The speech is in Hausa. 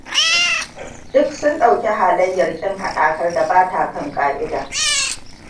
Duk sun ɗauki halayyar kin haɗakar da ba ta kan ƙa'ida.